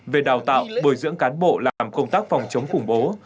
về đào tạo bồi dưỡng cán bộ làm công tác phòng chống khủng bố